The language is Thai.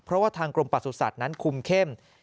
เพราะว่าทางกรมประสุทธิ์นั้นคุมเข้ม